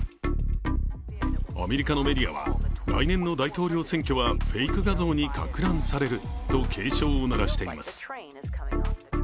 アメリカのメディアは来年の大統領選挙はフェイク画像にかく乱されると警鐘を鳴らしています。